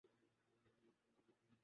تم ٹھیک تو ہو؟